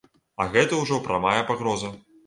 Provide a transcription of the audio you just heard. А гэта ўжо прамая пагроза.